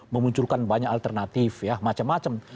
memunculkan banyak alternatif ya macem macem